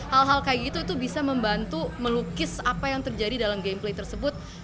hal hal kayak gitu itu bisa membantu melukis apa yang terjadi dalam game play tersebut